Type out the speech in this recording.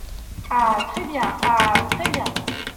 Ah ! très bien ! ah ! très bien !